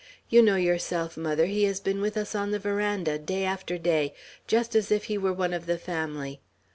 You know yourself, mother, he has been with us on the veranda, day after day, just as if he were one of the family.